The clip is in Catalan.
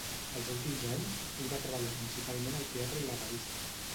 Els últims anys, ell va treballar principalment al teatre i la revista.